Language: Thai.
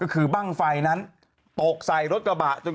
คือบ้างไฟนั้นโต๊ะใกล้ใส่รถกระบะ